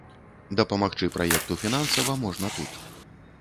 Дапамагчы праекту фінансава можна тут.